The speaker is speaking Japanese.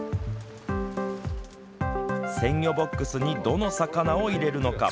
鮮魚ボックスにどの魚を入れるのか。